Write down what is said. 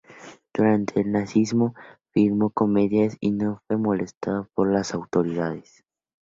Durante el nazismo filmó comedias y no fue molestado por las autoridades.